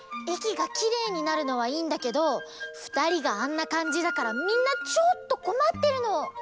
駅がきれいになるのはいいんだけどふたりがあんなかんじだからみんなちょっとこまってるの。